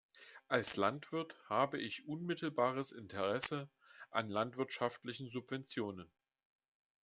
Als Landwirt habe ich unmittelbares Interesse an landwirtschaftlichen Subventionen.